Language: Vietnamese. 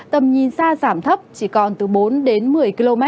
tầm nhìn xa giảm thấp chỉ còn từ bốn đến một mươi km